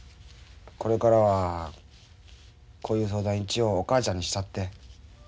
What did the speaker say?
これからはこういう相談一応お母ちゃんにしたって。